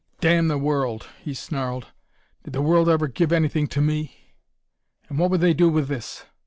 "Damn the world!" he snarled. "Did the world ever give anything to me? And what would they do with this?